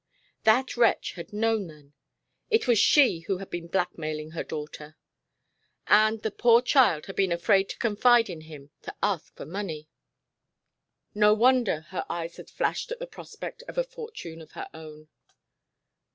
That wretch had known, then! It was she who had been blackmailing her daughter. And the poor child had been afraid to confide in him, to ask him for money. No wonder her eyes had flashed at the prospect of a fortune of her own....